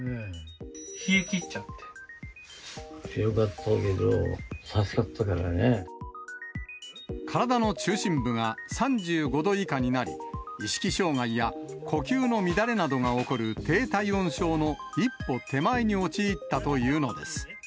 ひどかったけど、助かったか体の中心部が３５度以下になり、意識障害や呼吸の乱れなどが起こる、低体温症の一歩手前に陥ったというのです。